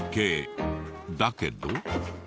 だけど。